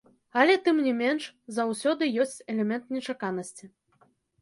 Але тым не менш заўсёды ёсць элемент нечаканасці.